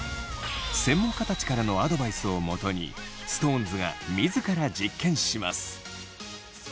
専門家たちからのアドバイスをもとにＳｉｘＴＯＮＥＳが自ら実験します。